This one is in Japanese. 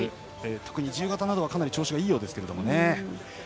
特に自由形などはかなり調子がいいようですけどね。